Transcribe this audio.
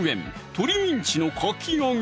「鶏ミンチのかき揚げ」